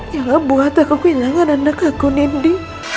yang ngebuat kehidupan aku joyla